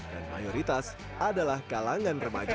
dan mayoritas adalah kalangan remaja